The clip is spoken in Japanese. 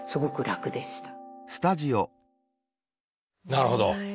なるほど。